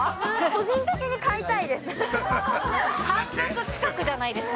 個人的に買いたいです。